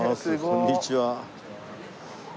こんにちは。